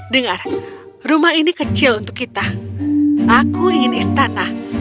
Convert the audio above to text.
dengar rumah ini kecil untuk kita aku ingin istana